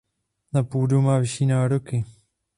Na půdu má vyšší nároky.